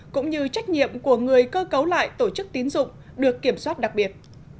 cũng như trách nhiệm của người cơ cấu lại tổ chức tín dụng được kiểm soát đặc biệt